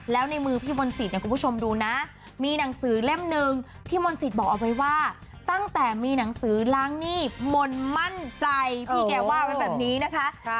แล้วในมือพี่มนตรีเนี่ยคุณผู้ชมดูนะมีหนังสือเล่มหนึ่งพี่มนต์สิทธิ์บอกเอาไว้ว่าตั้งแต่มีหนังสือล้างหนี้มนต์มั่นใจพี่แกว่าไว้แบบนี้นะคะ